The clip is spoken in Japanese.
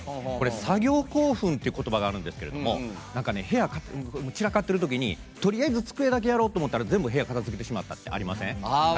作業興奮っていうことばがあるんですけども部屋、散らかってるときにとりあえず、机だけやろうと全部部屋片づけてしまったってありません？